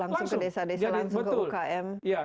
langsung ke desa desa langsung ke ukm